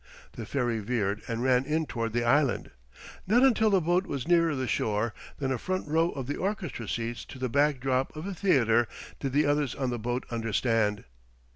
The ferry veered and ran in toward the island. Not until the boat was nearer the shore than a front row of the orchestra seats to the back drop of a theater did the others on the boat understand.